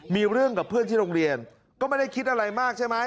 มีเรื่องกับเพื่อนที่โรงเรียนก็ไม่ได้คิดอะไรมากใช่ไหม